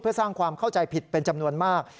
เพื่อสร้างความเข้าใจผิดเป็นจำนวนมาก